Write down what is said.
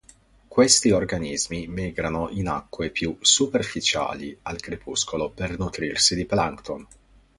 Questi organismi migrano in acque più superficiali al crepuscolo per nutrirsi di plancton.